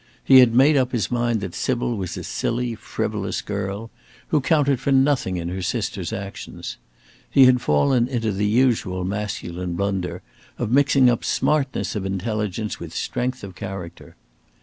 He had made up his mind that Sybil was a silly, frivolous girl, who counted for nothing in her sister's actions. He had fallen into the usual masculine blunder of mixing up smartness of intelligence with strength of character.